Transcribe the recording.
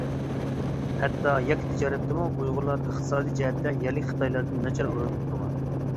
ھەتتا يەككە تىجارەتتىمۇ ئۇيغۇرلار ئىقتىسادىي جەھەتتە يەرلىك خىتايلاردىن ناچار ئورۇندا تۇرغان.